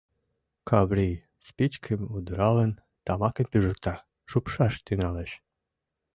Каврий, спичкым удыралын, тамакым пижыкта, шупшаш тӱҥалеш.